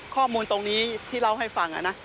ข้อมูลตรงนี้ที่เล่าให้ฟังนะ